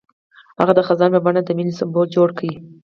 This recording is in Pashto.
هغه د خزان په بڼه د مینې سمبول جوړ کړ.